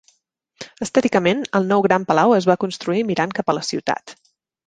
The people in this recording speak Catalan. Estèticament, el nou Gran Palau es va construir mirant cap a la ciutat.